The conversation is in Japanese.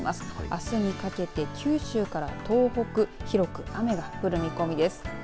あすにかけて九州から東北広く雨が降る見込みです。